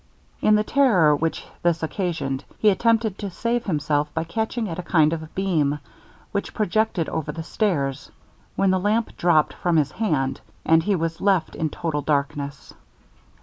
In the terror which this occasioned, he attempted to save himself by catching at a kind of beam which projected over the stairs, when the lamp dropped from his hand, and he was left in total darkness.